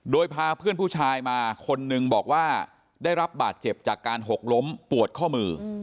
โดยพาเพื่อนผู้ชายมาคนนึงบอกว่าได้รับบาดเจ็บจากการหกล้มปวดข้อมือ